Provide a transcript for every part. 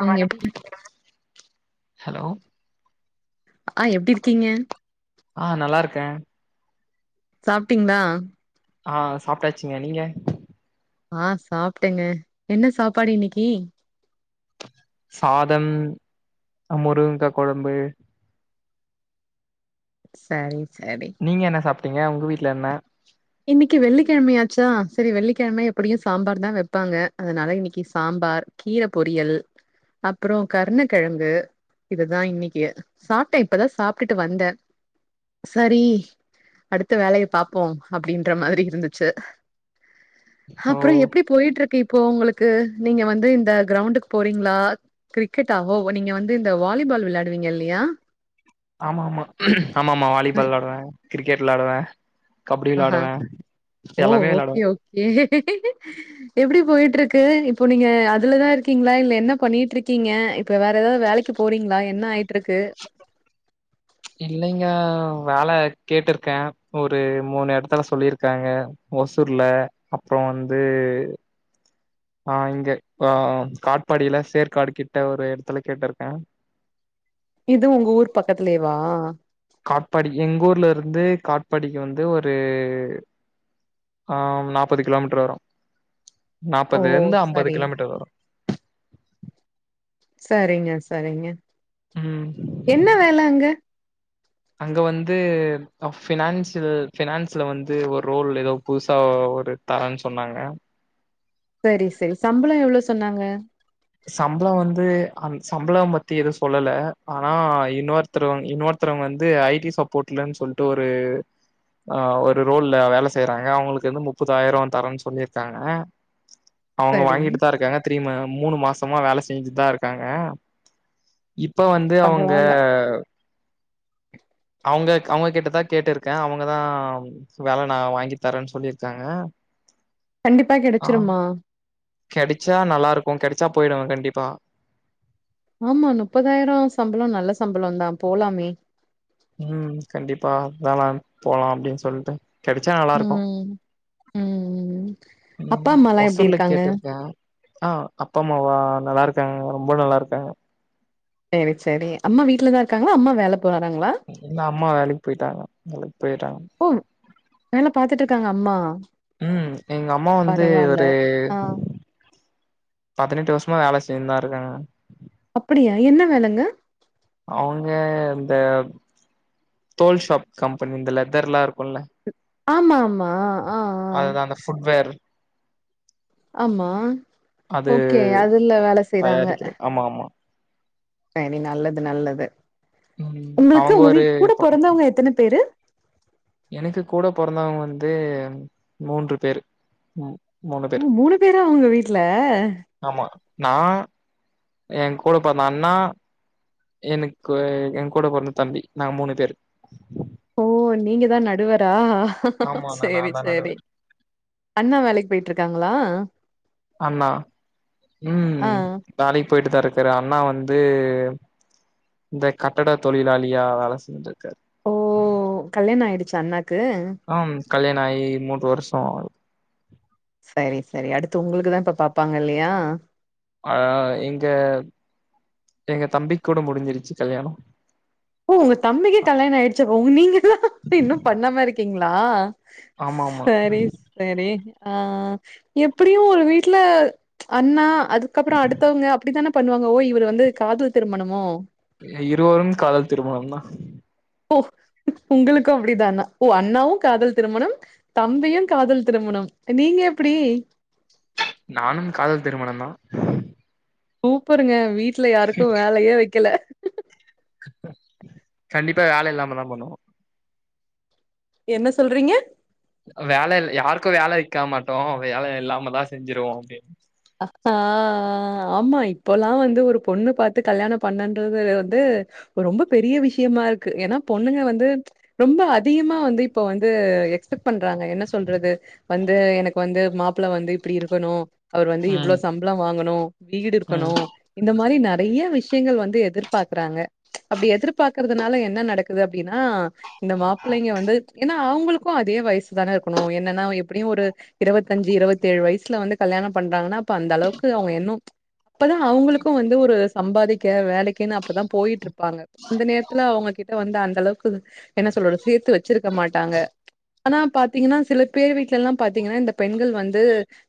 அவங்க எப்டி ஹலோ ஆ எப்டி இருக்கீங்க ஆ நல்லாருக்க சாப்ட்டீங்ளா ஆ சாப்ட்டாச்சிங்க நீங்க ஆ சாப்ட்டங்க என்ன சாப்பாடு இன்னக்கி சாதம் முருங்கா கொழம்பு சரி சரி நீங்க என்ன சாப்ட்டீங்க உங்க வீட்ல என்ன இன்னைக்கு வெள்ளிக்கிழமையாச்சா சரி வெள்ளிக்கிழமை எப்டியு சாம்பார் தா வப்பாங்க அதனால இன்னக்கி சாம்பார் கீர பொரியல் அப்ரோ கருண கெழங்கு இதுதா இன்னக்கி சாப்ட இப்பதா சாப்ட்டுட்டு வந்த சரி அடுத்த வேலய பாப்போ அப்டின்ற மாதிரி இருந்துச்சி ஓ அப்பறம் எப்டி போயிட்டு இருக்கு இப்போ உங்களுக்கு நீங்க வந்து இந்த கிரௌண்டுக்கு போறீங்ளா கிரிக்கெட ஆ ஓ நீங்க வந்து இந்த வாலிபால் விளையாடுவீங்க இல்லையா ஆம்மாமா ஆம்மாமா அ வாலிபால் விளாடுவ கிரிக்கெட் விளாடுவ கப்டி ஆஹா விளாடுவ எல்லாமே விளாடுவ எப்டி போயிட்டு இருக்கு இப்போ நீங்க அதுலதா இருக்கீங்ளா இல்ல என்ன பண்ணிட் இருக்கீங்க இப்ப வேற ஏதாது வேளைக் த்து போறீங்ளா என்ன ஆயிட்ருக்கு இல்லங்க வேல கேட்ருக்க ஒரு மூணு எடத்துல சொல்லியிருக்காங்க ஓசூர்ல அப்புற வந்து ஆ இங்க ஆ காட்பாடில சேர்க்காடு கிட்ட ஒரு ஏடத்துல கேட்டிருக்க இது உங்க ஊர் பக்கத்திலயேவா காட்பாடி எங்க ஊர்ல இருந்து காட்பாடிக்கு வந்து ஒரு ஆ நாப்பது கிலோமீட்டர் வரு ஓ! நாப்பது இருந்து ஐம்பது சரி. கிலோமீட்டர் வரு சரிங்க சரிங்க ம் என்ன வேல அங்க அங்க வந்து ஃபினான்சில் ஃபினான்சில வந்து ஒரு ரோல் ஏதோ புதுசா ஒரு தரன் சொன்னாங்க செரி செரி சம்ளோ எவ்ளோ சொன்னாங்க சம் ளோ வந்து அ சம் ளோ பத்தி எதுவு சொல்லல ஆனா இன்னொவர் த்துரு இன்னொருத்தவங் வந்து ஐடி சப்போட்லன் சொல்ட்டு ஒரு ஆ ஒரு ரோல்ல வேல செய்றாங்க அவுங்களுக் வந்து முப்பதாயிரோ தரோன் சொல்லி இருக்காங்க அவுங்க சரி. வாங்கிட்டு தா இருக்காங்க திரீ மூணு மாசமா வேல செஞ்சுட்டு தா இருக்காங்க இப்ப வந்து அவுங்க பரவால்ல. அவுங்க அவுங்க கிட்டதா கேட்டு இருக்க அவுங்கதா வேல நா வாங்கி தரேன்னு சொல்லியிருக்காங்க கண்டிப்பா கெடச்சிருமா கெடச்சா நல்லா இருக்கு கெடைச்சா போயிடுவே கண்டிப்பா ஆமா முப்பதாயிரோ சம்பளோ நல்ல சம்பளோ தா போலாமே ம் கண்டிப்பா அதல்லா போலா அப்டின்னு சொல்லிட்டு கெடச்சா நல்லா இருக்கு ம். ம். ம் அப்பா, அம்மாலாம் எப்படி ஒசூர்ல இருக்காங்க? கேட்டு இருக்க ஆ அப்பா அம்மாவா நல்லா இருக்காங்க ரொம்ப நல்லா இருக்காங்க செரி செரி அம்மா வீட்லதா இருக்காங்களா அம்மா வேல போறாங்களா இல்ல அம்மா வேலைக்கு போயிட்டாங்க வேலைக்கு போயிட்டாங்க ஓ வேல பாத்துட்டு இருக்காங்க அம்மா ம் எங்க அம்மா வந்து பரவால்ல ஒரு ஆ பதினெட்டு வருஷமா வேல செஞ்சிதா இருக்காங்க அப்டியா என்ன வேலங்க அவங்க இந்த தோல் ஷாப் கம்பெனி இந்த லெதர்லா இருக்கும்ல ஆமா ஆமா ஆ ஆ அதுதா அந்த ஃபுட்வேர் ஆமா அது ஓகே அதுல வேல செய்றாங்க தயாரிக்கிற ஆமா ஆமா சரி நல்லது நல்லது ம் உங்களுக்கு அவங்க உங்க ஒரு வீட் கூட பொறந்தவங்க எத்தன பேரு எனக்கு கூட பொறந்தவங்க வந்து மூன்று பேர் ம் ஓ மூணு பேரா உங்க வீட்ல ஆமா நா எ கூட பொறந்த அண்ணா எனக்கு எ கூட பொறந்த தம்பி நாங்க மூணு பேரு ஓ நீங்க தா நடுவரா ஆமா அண்ணா நா செரி தா செரி நடுவர் அண்ணா வேலைக்கு போயிட்டு இருக்காங்களா அண்ணா ம் ஆ வேலைக்கு போயிட்டு தா இருக்குற அண்ணா வந்து இந்த கட்டட தொழிலாளியா வேல செஞ்சிருக்காரு ஓ கல்யாண ஆயிடுச்சா அண்ணாக்கு ஆ கல்யாண ஆகி மூன்ற வருஷோ ஆகுது செரி செரி அடுத்து உங்களுக்கு தா இப்ப பாப்பாங்க இல்லையா அ எங்க எங்க தம்பி கூட முடிஞ்சிருச்சு கல்யாணோ ஓ உங்க தம்பிக்கே கல்யாண ஆயிடுச்சு இப்ப உங்க நீங்க எல்லா இன்னு பண்ணாம இருக்கீங்களா ஆமா ஆமா செரி செரி ஆ எப்டியு ஒரு வீட்ல அண்ணா அதுக்கப்பறோ அடுத்தவங்க அப்டித்தான பண்ணுவாங்க ஓ இவர் வந்து காதல் திருமணமோ இருவரும் காதல் திருமணம் தா ஓ உங்களுகு அப்டிதானா ஓ அண்ணாவு காதல் திருமணம் தம்பியு காதல் திருமணம் நீங்க எப்படி நானும் காதல் திருமணம் தா சூப்பருங்க வீட்ல யாருக்கு வேலயே வைக்கல கண்டிப்பா வேல இல்லாம தா பன்னுவோ என்ன சொல்றீங்க வேல யாருக்கு வேல வைக்க மாட்டோ வேல இல்லாம தா செஞ்ருவோ அப்டின்னு ஆ ஆமா இப்பல்லா வந்து ஒரு பொண்ணு பாத்து கல்யாண பண்ணன்றது வந்து ரொம்ப பெரிய விஷயமா இருக்கு ஏனா பொண்ணுங்க வந்து ரொம்ப அதிகமா வந்து இப்ப வந்து எக்ஸ்பெக்ட் பண்றாங்க என்ன சொல்றது வந்து எனக்கு வந்து மாப்புள வந்து இப்டி இருக்கனு அவர் வந்து ம் இவ்ளொ சம்பள வாங்கனு வீடு ம் இருக்கனு இந்த மாரி நெறைய விஷ் யங்கள் வந்து எதிர்பாக்குறாங்க அப்டி எதிர்பாக்குறதுனால என்ன நடக்குது அப்டின்னா இந்த மாப்ளைங்க வந்து என்னா அவுங்களுக்கு‌ அதே வயசு தான இருக்கனு என்னன்னா எப்டியு ஒரு இருவத்தஞ்சு இருவத்தேழு வயசுல வந்து கல்யாணம் பண்றாங்கனா அப்ப அந்த அளவுக்கு அவுங்க எண்ணொ அப்பதா அவுங்களுக்கு வந்து ஒரு சம்பாதிக்க வேலைக்கின்‌ அப்பதா போயிட்ருப்பாங்க இந்த நேரத்துல அவுங்ககிட்ட வந்து அந்தளவ்க்கு என்ன சொல்றது சேத்து வச்சிருக்க மாட்டாங்க ஆனா பாத்தீங்கனா சில பேர் வீட்லல்லா பாத்தீங்கனா இந்த பெண்கள் வந்து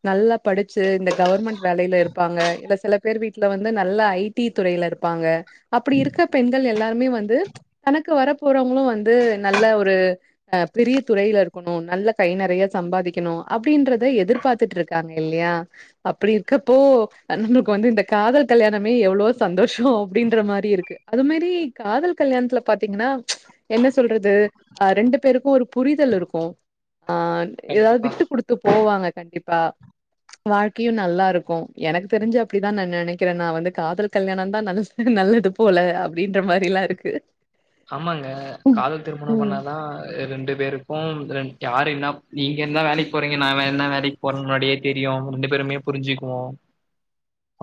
நல்லா படுச்சு இந்த கவர்மெண்ட் வேலைல இருப்பாங்க இல்ல சில பேர் வீட்ல வந்து நல்ல ஐ டி துறைல இருப்பாங்க அப்பிடி இருக்க பெண்கள் எல்லாருமே வந்து தனக்கு வர போறவ்ங்களு வந்து நல்ல ஒரு அ பெரிய துறைல இருக்கனு நல்ல கை நெறைய சம்பாதிக்கனு அப்டின்றத எதிர்பாத்துட்ருக்காங்க இல்யா அப்புடி இருக்கப்போ நம்ளுக்கு வந்து இந்த காதல் கல்யாணமே எவ்ளவோ சந்தோஷொ அப்டின்ற மாரி இருக்கு அது மாரி காதல் கல்யாண்த்துல பாத்தீங்கனா என்ன சொல்றது அ ரெண்டு பேருக்கு ஒரு புரிதல் இருக்கு ஆ எதா கண்டிப்பா விட்டு குடுத்து போவாங்க கண்டிப்பா வாழ்கையு நல்லாருக்கு எனக்தெரிஞ்சி அப்டிதா நா நெனக்கிறே நா வந்து காதல் கல்யாணந்தா நென க்கிது நல்லது போல அப்டின்ற மாரிலா இருக்கு ஆமாங்க ம். காதல் திருமணம் ம். பண்ணாதா அ ரெண்டு பேரு க்கும் ரெண் யாரு என்னா நீங்க என்னா வேலைக் போறீங்க நா என்னா வேலைக்போறன் முன்னாடியே தெரியு ரெண்டு பேருமே புரிஞ்சிக்குவோ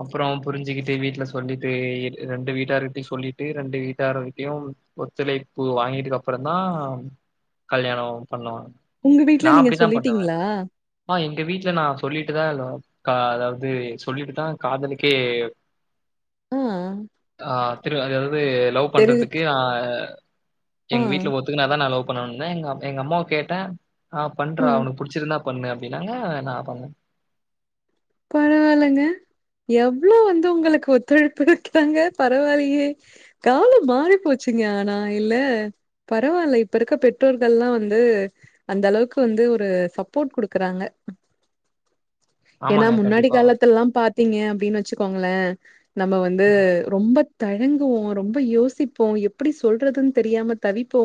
அப்றோ புரிஞ்சுிகிட்டு வீட்ல சொல்லிட்டு ரெண்டு வீட்டார்கிட்டய் சொல்லிட்டு ரெண்டு வீட்டார்கிட்டையு ஒத்துழைப்பு வாங்கிட்டுகப்புறந் தா கல்யாணோ பண்ணுவா உங்க வீட்ல நீங்க சொல்லிட்டிங்ளா? ஆ எங்க வீட்ல நா சொல்லிட்டுதா எல்லா கா அதாவுது சொல்லிட்டுதா காதலுக்கே ஆ. அ திரு அதாவுது லவ் பண்றதுக்கு தெரிவிச் ஆ ஆ. எங்க வீட்ல ஒத்துகுனா தா நா லவ் பண்ணனுந்தே எங்க அ எங்க அம்மாவ கேட்டே அ ஆ. பண்றா உனுக்கு புடு ச்சுருந்தா பண்ணு அப்டின்னாங்க நா பண்ணே பரவால்லங்க எவ்ளோ வந்து உங்களுக்கு ஒத்துழைப்பு இருக்கிறாங்க பரவால்லயே காலம் மாறி போச்சுங்க ஆனா இல்ல பரவால்ல இப்ப இருக்க பெற்றோர்கள்லா வந்து அந்தளவுக்கு வந்து ஒரு சப்போட் குடுக்குறாங்க எனா ஆமாங்க முன்னாடி கண்டிப்பா. காலத்துல்லா பாத்தீங்க அப்டின் வச்சிக்கோங்ளே நம்ம வந்து ம், ரொம்ப தயங்குவோ ரொம்ப யோசிப்போ எப்புடி சொல்றதுன் தெரியாம தவிப்போ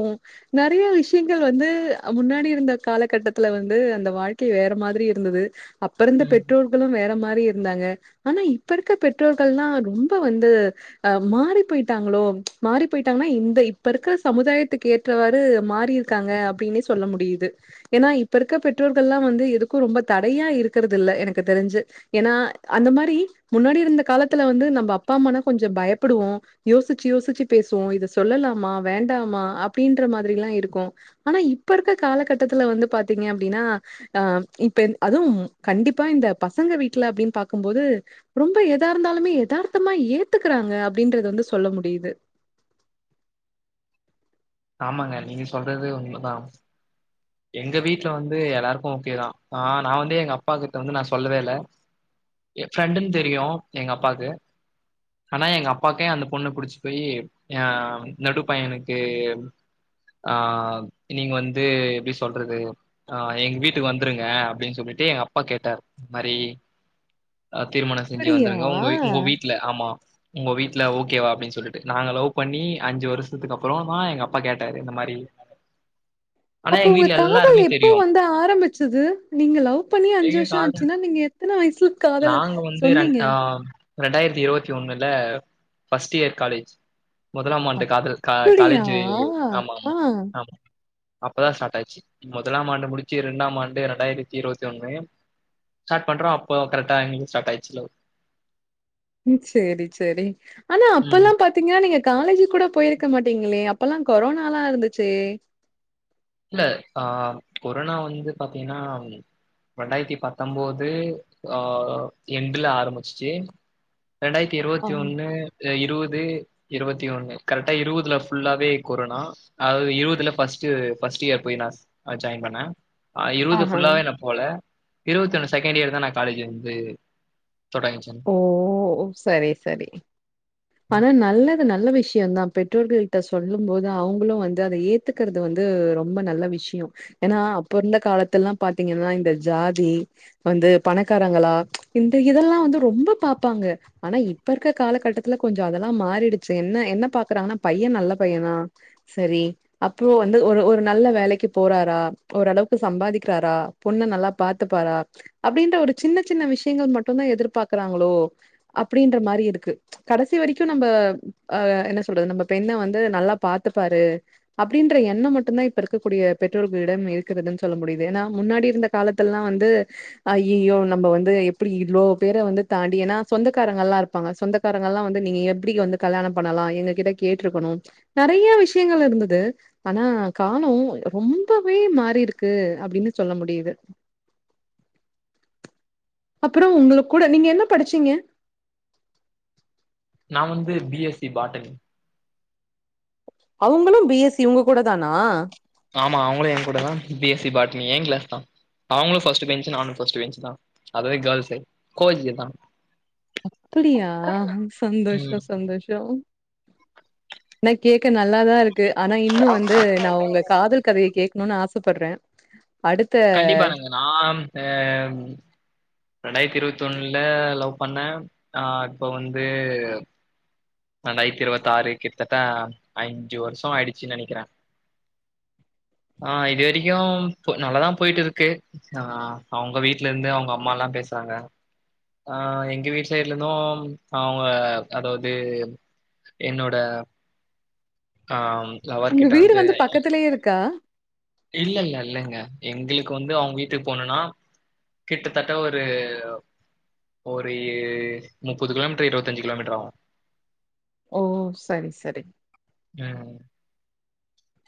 நறைய விஷ்யங்கள் வந்து முன்னாடி இருந்த காலகட்டத்துல வந்து அந்த வாழ்க்கை வேற மாதிரி இருந்தது அப்ப இருந்த ம். பெ ற்றோர்களு வேற மாரி இருந்தாங்க ஆனா இப்ப இருக்க பெற்றோர்கள்னா ரொம்ப வந்து அ மாறி போய்ட்டாங்களோ மாறி போயிட்டாங்னா இந்த இப்ப இருக்குற சமுதாயத்துக்கு ஏத் ட்டவாறு மாறிருக்காங்க அப்டின்னே சொல்ல முடியுது ஏனா இப்ப இருக்க பெற்றோர்கள்ல்லா வந்து எதுக்கு ரொம்ப தடையா இருக்றது இல்ல எனக்கு தெரிஞ்சு ஏனா அந்த மாரி முன்னாடி இருந்த காலத்துல வந்து நம்ப அப்பா அம்மானா கொஞ்சோ பயப்புடுவோ யோசிச்சு யோசிச்சு பேசுவோ இத சொல்லலாமா வேண்டாமா அப்டின்ற மாதிரில்லா இருக்கு ஆனா இப்ப இருக்க காலகட்டத்துல வந்து பாத்தீங்க அப்டின்னா அ இப்ப அது கண்டிப் ப்பா இந்த பசங்க வீட்ல அப்டின் பாக்கும்போது ரொம்ப எதாருந்தாலுமே எதார்த்தமா ஏத்துக்குறாங்க அப்டின்றது வந்து சொல்ல முடியுது ஆமாங்க நீங்க சொல்றது உண்மதா எங்க வீட்ல வந்து எல்லாருக்கு ஓகேதா ஆ நா வந்து எங்க அப்பா கிட்ட வந்து நா சொல்லவே இல்ல எ ஃப்ரெண்டுன் தெரியு எங்க அப்பாக்கு ஆனா எங்க அப்பாக்கே அந்த பொண்ண புடிச்சி போயி எ நடுப்பையனுக்கு ஆ நீங்க வந்து எப்டி சொ சொல்றது ஆ எங்க வீட்டுக்கு வந்துருங்க அப்டின்னு சொல்லிட்டு எங்க அப்பா கேட்டாரு மரி தீர்மன செஞ்சு அப்படியா? வந்துருங்க உங்க உங்க வீட்ல ஆமா உங்க வீட்ல ஓகேவா அப்டின்னு சொல்ட்டு நாங்க லவ் பண்ணி அஞ்சு வருஷத்துக்கு அப்றோ தா எங்க அப்பா கேட்டாரு இந்த மாரி ஆனா அப்போ எங்க உங்க வீட்ல காதல் எல்லாருக்குமே எப்போ தெரியு வந்து ஆரம்மிச்சிது நீங்க லவ் பண்ணி அஞ்சு எங்க வருஷோ கால ஆச்சுன்னா நீங்க எத்த வயஸ்ல நாங்க வந்து ரென் அ ரெண்டாயிரத்தி இருவத்தி ஒண்ணுல ஃபஸ்ட் இயர் காலேஜ் முதலாம் ஆண்டு காதல் அப்படியா? காலேஜு ஆமா ஆ. ஆமா ஆமா அப்பதா ஸ்டார்ட் ஆச்சு முதலாம் ஆண்டு முடிச்சு இரண்டாம் ஆண்டு ரெண்டாயிரத்தி இருபத்தி ஒண்ணுலயும் ஸ்டார்பண்றோ அப்போ கரெக்டா எங்ளுக்கு ஸ்டார்ட் ஆயிச்சு லவ் ம் செரி செரி ஆனா ம் அப்பல்லா பாத் பாத்தீங்ன்னா நீங்க காலேஜு கூட போயிருக்க மாட்டீங்களே அப்பல்ல கொரோனல்லா இருந்துச்சே இல்ல ஆ கொரோனா வந்து பாத்தீங்கன்னா ரெண்டாயிரத்தி பத்தொம்போது ஆ எண்டுல ஆரம்பிச்சிச்சு ரெண்டாயிரத்தி இருவத்தி ஆம். ஒன்னு இருவது இருவத்தி ஒண்ணு கரெக்டா இருவதுல ஃபுல்லாவே கொறோணா ஆவது இருபதுல ஃபஸ்ட்டு பஸ்ட் இயர் போய் நா ஜாயின் பண்ண இருவது ஆஹா. புல்லாவ நா போல இருபத்தொன்னு செகண்ட் இயர் தா நா காலேஜ் வந்து தொடங்கிச்சே ஓ சரி சரி ஆனா நல்லது நல்ல விஷயோதா பெற்றோர்கள்ட்ட சொல்லு போது அவங்களு வந்து அத ஏ த்துக்குறது வந்து ரொம்ப நல்ல விஷயோ ஏனா அப்ப இருந்த காலதெல்லா பாத்தீங்கன்னா இந்த ஜாதி வந்து பணக்காரங்களா இந்த இதெல்லா வந்து ரொம்ப பாப்பாங்க ஆனா இப்ப இருக்க காலகட்டத் த்துல கொஞ்சோ அதெல்லா மாறிடுச்சு என்ன எண்ண பாக்குறாங்கன்னா பைய நல்ல பையனா சரி அப்போ வந்து ஒரு ஒரு நல்ல வேலைக்கு போறாரா ஓரளவுக்கு சம்பாதிக்கிறாரா பொண்ணு நல்லா பாத்துப்பாரா அப்டின்ற ஒரு சின்ன சின்ன விஷயங்கள் மட்டுதா எதிர்பாக்குறாங்களோ அப்டின்ற மாரி இருக்கு கடைசி வரைக்கு நம்ப அ என்ன சொல்றது நம்ம பெண்ண வந்து நல்லா பாத்துப்பாரு அப்டின்ற எண்ணம் மட்டுதா இப்ப இருக்கக்கூடிய பெற்றோர்களிடம் இருக்கிறதுன் சொல்ல முடியுது ஏனா முன்னாடி இருந்த காலத்தல்லா வந்து அய்யயோ நம்ம வந்து எப்டி இவ்ளோ பேர வந்து தாண்டி ஏன்னா சொந்தக்காரங்கள இருப்பாங்க சொந்த காரங்களா வந்து நீங்க எப்டி வந்து கல்யாண பண்ணலா எங்க கிட்ட கேட்ருக்கணும நெறைய விஷயங்கள் இருந்தது ஆனா காலோ ரொம்பவே மாறிருக்கு அப்டினு சொல்ல முடியுது அப்புறம் உங்களு கூட நீங்க என்ன படிச்சீங்க நா வந்து பி எஸ் சி பாட்டனி அவுங்களு பி எஸ் சி உங்க கூட தானா ஆமா அவுங்களு எ கூட தா பி எஸ் சி பாட்னி எ கிளாஸ் தா அவுங்களு ஃபர்ஸ்ட் பெஞ்சு நானு ஃபர்ஸ்ட் பெஞ்சுதா அதர்வே கேர்ள்ஸே கோ ஏஜ் தா அப்டியா சந்தோஷோ ம் சந்தோஷோ ஆனா கேக்க நல்லா தா இருக்கு ஆனா இன்னு வந்து நா ஒங்க காதல் கதைய கேக்கணுனு ஆசைபட்ற கண்டிப்பா எனக்கு நா ஹே ரெண்டாயிரத்தி இருபத்தி ஒன்னுல லவ் பண்ண ஆ இப்ப வந்து ரெண்டாயிரத்தி இரவத் ஆறு கிட்டத்தட்ட அஞ்சு வருஷோ ஆயிடுச்சு நெனைக்கிற ஆ இது வரைக்கு நல்லதா போயிட்டு இருக்கு ஆ அவுங்க வீட்ல இருந்து அவுங்க அம்மா எல்லா பேசுறாங்க ஆ எங்க வீட்டு சைட்ல இருந்து அவுங்க அதாவது என்னோட ஆ ம் உங்க வீடு வந்து பக்கத்துலேயே இருக்கா இல்ல இல்ல இல்லங்க எங்களுக்கு வந்து அவுங்க வீட்டுக்கு போணுன்னா கிட்டத்தட்ட ஒரு ஒரு முப்பது கிலோமீட்டர் இருபத்தஞ்சு கிலோமீட்டர் ஆவு ஓ சரி சரி ம்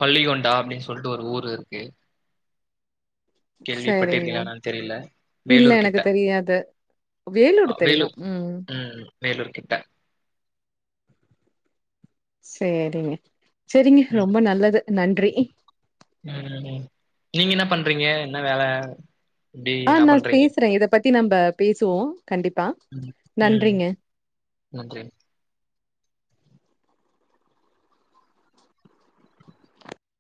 பள்ளிகொண்டா அப்டின்னு சொல்ட்டு ஒரு ஊர் இருக்கு சரிங்க. கேள்விப்பட்டிருக்கீங்களா என்னானு தெரில இல்ல வேலூர் கிட்ட எனக்கு தெரியாது. அ வேலூர் ம் வேலூர் கிட்ட சேரிங்க செரிங்க ம் ரொம்ப நல்லது நன்றி ம் நீங்க என்ன பண்றீங்க என்ன வேல எப்டி ஆ என்ன நா பண்றீங்க பேசுறே இத பத்தி நம்ம பேசுவோ கண்டிப்பா ம் ம் நன்றிங்க நன்றி